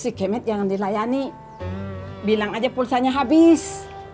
si camat jangan dilayani bilang aja pulsanya habis